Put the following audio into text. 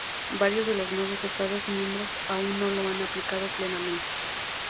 Varios de los nuevos Estados miembros aún no lo han aplicado plenamente.